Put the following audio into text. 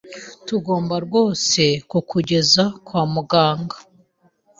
Tugomba rwose kukugeza kwa muganga.